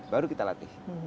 baru kita latih